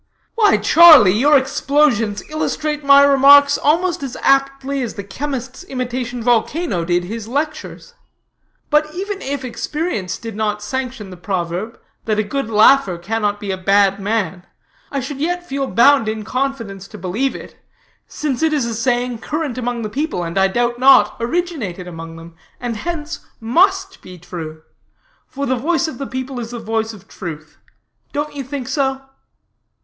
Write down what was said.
"Why Charlie, your explosions illustrate my remarks almost as aptly as the chemist's imitation volcano did his lectures. But even if experience did not sanction the proverb, that a good laugher cannot be a bad man, I should yet feel bound in confidence to believe it, since it is a saying current among the people, and I doubt not originated among them, and hence must be true; for the voice of the people is the voice of truth. Don't you think so?"